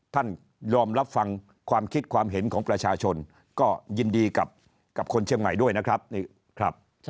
ท่านยอมรับฟังความคิดความเห็นของประชาชนก็ยินดีกับคนเชียงใหม่ด้วยนะครับนี่ครับ